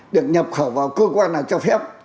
được nhập khẩu vào cơ quan nào cho phép